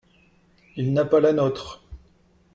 Il n’a pas la nôtre.